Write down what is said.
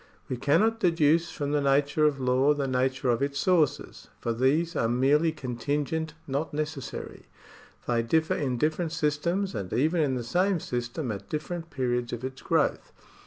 We cannot deduce from the nature of law the nature of its sources, for these are merely contingent, not necessary ; they differ in different systems and even in the same system at different periods of its growth.